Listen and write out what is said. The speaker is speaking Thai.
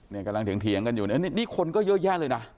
นี่กำลังเถียงกันอยู่เนี่ยนี่คนก็เยอะแยะเลยนะ